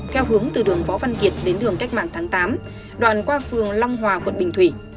theo hướng từ đường võ văn kiệt đến đường cách mạng tháng tám đoạn qua phường long hòa quận bình thủy